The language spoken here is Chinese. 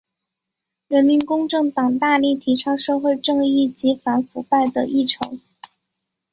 人民公正党大力提倡社会正义及反腐败的议程。